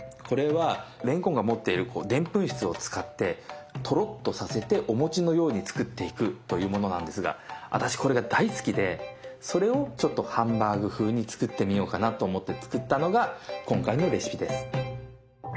これはれんこんが持っているでんぷん質を使ってトロッとさせてお餅のように作っていくというものなんですが私これが大好きでそれをハンバーグ風に作ってみようかなと思って作ったのが今回のレシピです。